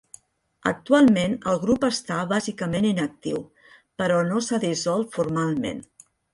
Actualment el grup està bàsicament inactiu, però no s'ha dissolt formalment.